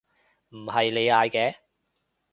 唔係你嗌嘅？